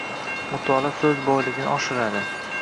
Mutolaa so‘z boyligini oshiradi.